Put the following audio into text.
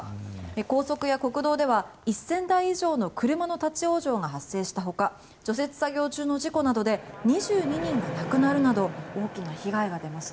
高速や国道では１０００台以上の車の立ち往生が発生したほか除雪作業中の事故などで２２人が亡くなるなど大きな被害が出ました。